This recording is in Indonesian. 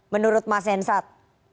menurut mas hensad